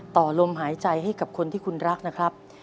ต่อลมหายใจให้กับคนที่คุณรักนะครับ